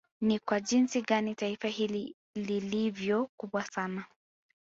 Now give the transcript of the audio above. Ni kwa jinsi gani Taifa hili lilivyo kubwa sana